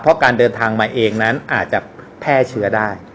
เพราะการเดินทางมาเองนั้นอาจจะแพร่เชื้อได้